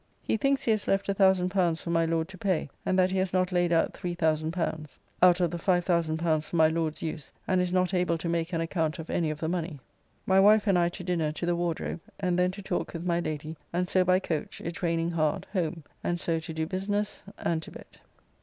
He thinks he has left L1000 for my Lord to pay, and that he has not laid out L3,000 Out of the L5,000 for my Lord's use, and is not able to make an account of any of the money. My wife and I to dinner to the Wardrobe, and then to talk with my Lady, and so by coach, it raining hard, home, and so to do business and to bed.